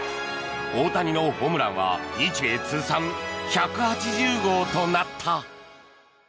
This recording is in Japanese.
大谷のホームランは日米通算１８０号となった。